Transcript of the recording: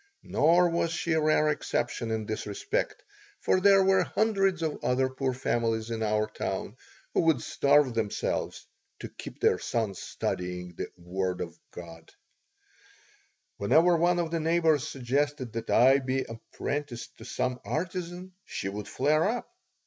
Nor was she a rare exception in this respect, for there were hundreds of other poor families in our town who would starve themselves to keep their sons studying the Word of God Whenever one of the neighbors suggested that I be apprenticed to some artisan she would flare up.